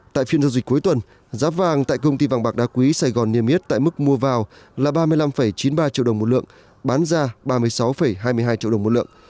tại phiên giao dịch cuối tuần giá vàng tại công ty vàng bạc đá quý sài gòn niêm yết tại mức mua vào là ba mươi năm chín mươi ba triệu đồng một lượng bán ra ba mươi sáu hai mươi hai triệu đồng một lượng